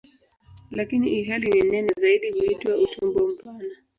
Lakini ilhali ni nene zaidi huitwa "utumbo mpana".